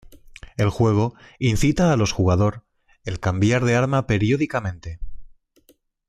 El juego incita a los jugador el cambiar de arma periódicamente.